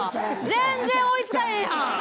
全然追いつかへんやん！